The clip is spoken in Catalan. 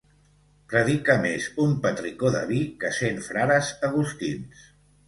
Predica més un petricó de vi que cent frares agustins.